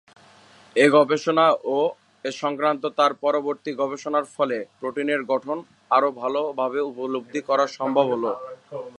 এই গবেষণা ও এ সংক্রান্ত তার পরবর্তি গবেষণার ফলে প্রোটিনের গঠন আরও ভালভাবে উপলব্ধি করা সম্ভব হল।